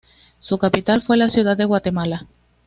Su capital fue la ciudad de Guatemala.